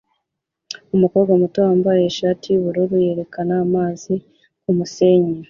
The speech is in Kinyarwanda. Umukobwa muto wambaye ishati yubururu yerekana amazi kumusenyi